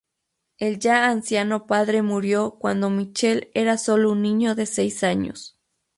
El ya anciano padre murió cuando Michael era solo un niño de seis años.